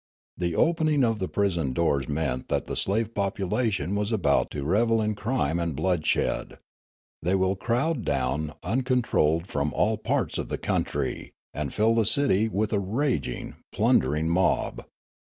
The opening of the prison doors meant that the slave population was about to revel in crime and bloodshed. The}' will crowd down uncontrolled from all parts of the country, and fill the city with a ravaging, plundering mob.